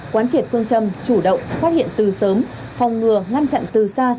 quán triệt phương châm chủ động phát hiện từ sớm phòng ngừa ngăn chặn từ xa